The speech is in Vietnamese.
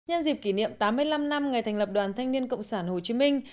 nhân dịp kỷ niệm tám mươi năm năm ngày thành lập đoàn thanh niên cộng sản hồ chí minh